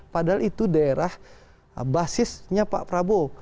padahal itu daerah basisnya pak prabowo